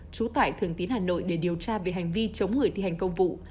trú tại thường tín hà nội để điều tra về hành vi chống người thi hành công vụ